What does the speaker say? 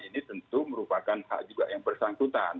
ini tentu merupakan hak juga yang bersangkutan